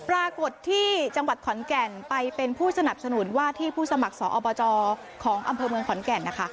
ปรากฏที่จังหวัดขอนแก่นไปเป็นผู้สนับสนุนว่าที่ผู้สมัครสอบจของอำเภอเมืองขอนแก่นนะคะ